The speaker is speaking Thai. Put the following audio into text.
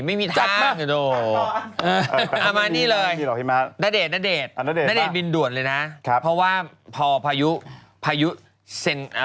เพราะว่าพายุเซนกะ